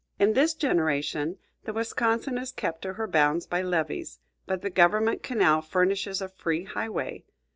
In this generation the Wisconsin is kept to her bounds by levees; but the government canal furnishes a free highway.